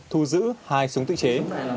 thu giữ hai súng tự chế